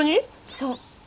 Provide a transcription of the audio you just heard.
そう。